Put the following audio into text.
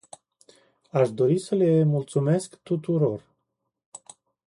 Aș dori să le mulțumesc tuturor.